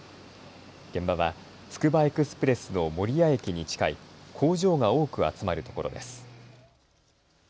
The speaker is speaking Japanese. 現場はつくばエクスプレスの守谷駅に近い工場が多く集まる所です。